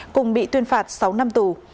cùng bị tuyên phạt sáu năm tù